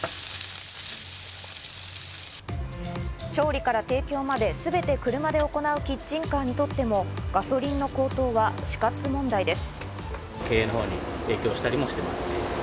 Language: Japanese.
調理から提供まで、すべて車で行うキッチンカーにとってもガソリンの高騰は死活問題です。